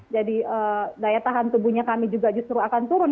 jadi daya tahan tubuhnya kami juga justru akan turun